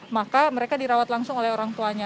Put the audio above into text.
maka mereka dirawat langsung oleh orang tuanya